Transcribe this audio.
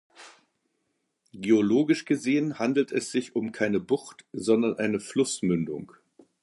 Geologisch gesehen, handelt es sich um keine Bucht, sondern eine Flussmündung.